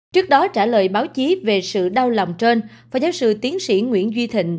trước đó trả lời báo chí về sự đau lòng trên phó giáo sư tiến sĩ nguyễn duy thịnh